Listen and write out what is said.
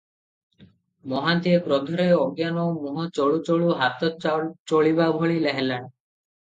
ମହାନ୍ତିଏ କ୍ରୋଧରେ ଅଜ୍ଞାନ, ମୁହଁ ଚଳୁ ଚଳୁ ହାତ ଚଳିବା ଭଳି ହେଲାଣି ।